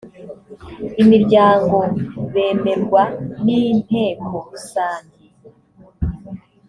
imiryango bemerwa n inteko rusange